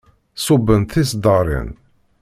Ṣubbent tiseddaṛin.